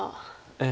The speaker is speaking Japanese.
ええ。